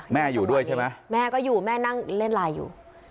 แม่อยู่ด้วยใช่ไหมแม่ก็อยู่แม่นั่งเล่นไลน์อยู่